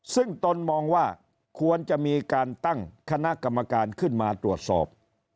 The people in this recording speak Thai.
ซึ่งตนมองว่าควรจะมีการตั้งคณะกรรมการขึ้นมาตรวจสอบ